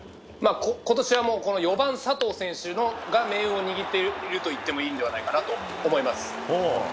今年は４番、佐藤選手が命運を握っているといってもいいのではないかと思います。